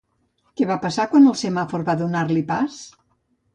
Què va passar quan el semàfor va donar-li pas?